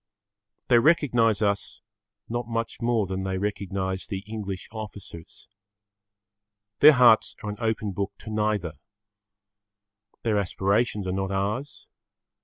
They recognise us not much more than they recognise the English officers. Their hearts are an open book to neither. Their aspirations are not ours.